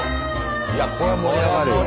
いやこれは盛り上がるよ。